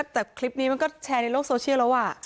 แต่คลิปนี้มันก็แชร์ในโลกโซเชียลแล้ว